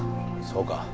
そうか。